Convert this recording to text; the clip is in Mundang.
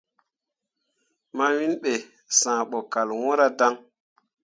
Mawiŋ be, sããh bo kal wɲǝǝra dan.